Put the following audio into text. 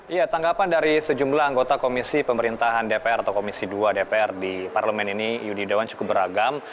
ya tanggapan dari sejumlah anggota komisi pemerintahan dpr atau komisi dua dpr di parlemen ini yudi dewan cukup beragam